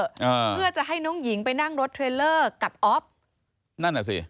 อ่าเพื่อจะให้น้องหญิงไปนั่งรถเทรลเลอร์กับอ๊อฟนั่นน่ะสิ